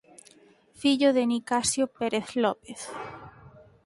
Fillo de Nicasio Pérez López.